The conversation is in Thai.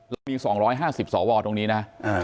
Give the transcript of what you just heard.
เรามี๒๕๐สวตรงนี้นะ